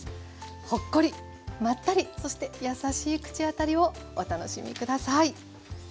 ほっこりまったりそして優しい口当たりをお楽しみ下さい。